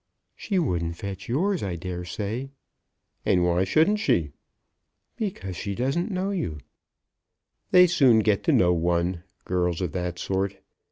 "She wouldn't fetch yours, I dare say." "And why shouldn't she?" "Because she doesn't know you." "They soon get to know one, girls of that sort.